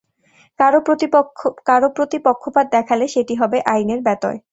কারও প্রতি পক্ষপাত দেখালে সেটি হবে আইনের ব্যত্যয়।